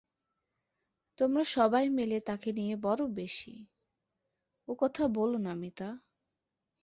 তোমরা সবাই মিলে তাকে নিয়ে বড়ো বেশি– ও কথা বোলো না মিতা।